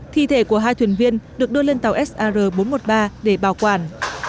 thi thể của hai thuyền viên được đưa lên tàu sr bốn trăm một mươi ba để bảo quản